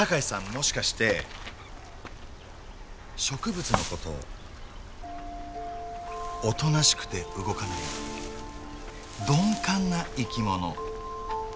もしかして植物のことおとなしくて動かない鈍感な生き物。